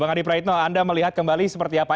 bang adi praitno anda melihat kembali seperti apa